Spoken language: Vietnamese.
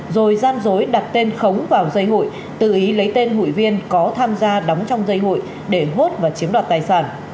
rồi gian dối đặt tên khống vào dây hụi tự ý lấy tên hụi viên có tham gia đóng trong dây hụi để hốt và chiếm đoạt tài sản